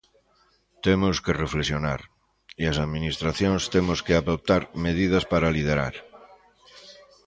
Temos que reflexionar, e as administracións temos que adoptar medidas para liderar.